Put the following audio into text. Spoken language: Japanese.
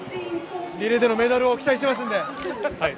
リレーでのメダルを期待してますんで。